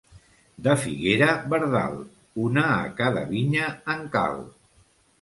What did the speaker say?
De figuera verdal, una a cada vinya en cal.